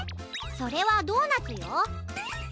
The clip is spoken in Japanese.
それはドーナツよ。